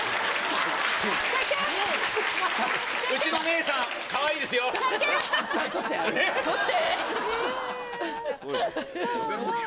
うちの姉さん、かわいいですきゃきゃっ。